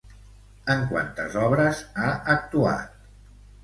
En quantes obres ha actuat?